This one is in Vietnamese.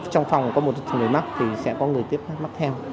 trong phòng có một người mắc thì sẽ có người tiếp mắc theo